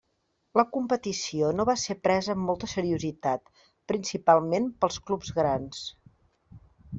La competició no va ser presa amb molta seriositat, principalment pels clubs grans.